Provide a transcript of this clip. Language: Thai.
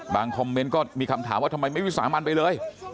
คอมเมนต์ก็มีคำถามว่าทำไมไม่วิสามันไปเลย